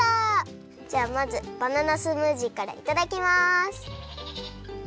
じゃあまずバナナスムージーからいただきます！